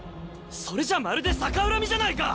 それじゃまるで逆恨みじゃないか！